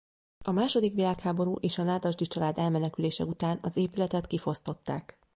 A második világháború és a Nádasdy család elmenekülése után az épületet kifosztották.